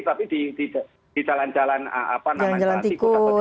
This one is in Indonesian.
tapi di jalan jalan tikus jalan jalan arteri